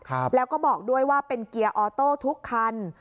ครับแล้วก็บอกด้วยว่าเป็นเกียร์ออโต้ทุกคัน